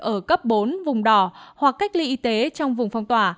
ở cấp bốn vùng đỏ hoặc cách ly y tế trong vùng phong tỏa